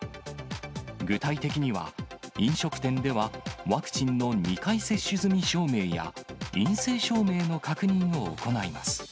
具体的には、飲食店ではワクチンの２回接種済み証明や、陰性証明の確認を行います。